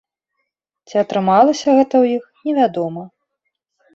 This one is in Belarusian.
Ці атрымалася гэта ў іх, невядома.